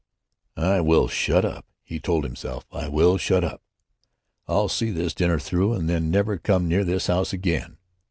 "I will shut up!" he told himself. "I will shut up. I'll see this dinner through, and then never come near this house again."